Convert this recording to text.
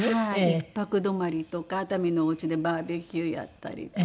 １泊泊まりとか熱海のおうちでバーベキューやったりとか。